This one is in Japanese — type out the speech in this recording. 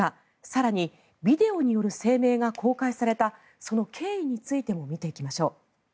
更に、ビデオによる声明が公開された経緯についても見ていきましょう。